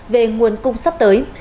về nguồn cung sắp tới